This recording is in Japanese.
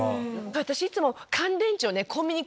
私いつも。